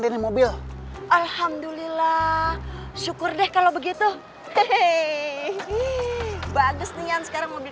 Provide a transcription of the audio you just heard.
dari mobil alhamdulillah syukur deh kalau begitu hehehe bagus nih yang sekarang mobil